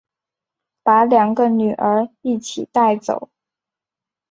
把两个女儿一起带走